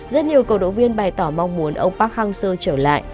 rất nhiều cầu động viên bày tỏ mong muốn ông park hang seo trở lại